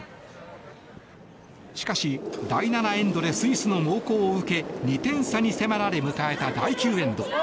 しかし、第７エンドでスイスの猛攻を受け２点差に迫られ迎えた第９エンド。